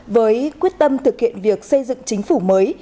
với quyết tâm thực hiện việc xây dựng chính phủ mới